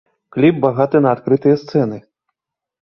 Кліп багаты на адкрытыя сцэны.